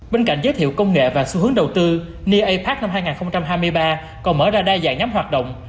bên cạnh giới thiệu công nghệ và xu hướng đầu tư ne apac năm hai nghìn hai mươi ba còn mở ra đa dạng nhóm hoạt động